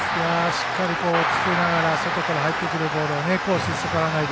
しっかり、おっつけながら外から入ってくるボールをコースに逆らわないで。